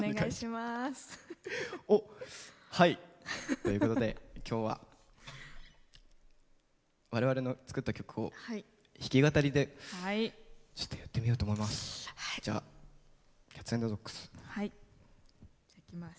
ということできょうはわれわれの作った曲を弾き語りでちょっとやってみようと思います。